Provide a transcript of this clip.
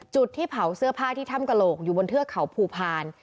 จุดที่เผาเสื้อผ้าที่ถ้ำกระโหลกอยู่บนเทือกเขาภูพาล